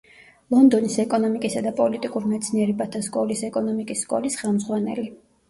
ლონდონის ეკონომიკისა და პოლიტიკურ მეცნიერებათა სკოლის ეკონომიკის სკოლის ხელმძღვანელი.